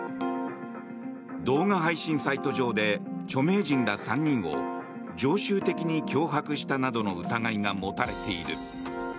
動画配信サイト上で著名人ら３人を常習的に脅迫したなどの疑いが持たれている。